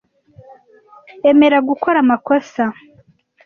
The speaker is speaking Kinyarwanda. Emera gukora amakosa.